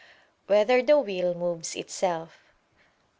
3] Whether the Will Moves Itself?